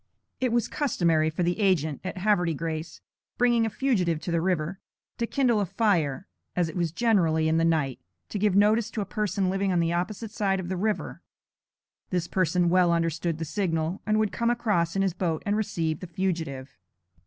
It was customary for the agent at Havre de Grace, bringing a fugitive to the river, to kindle a fire (as it was generally in the night), to give notice to a person living on the opposite side of the river. This person well understood the signal, and would come across in his boat and receive the fugitive.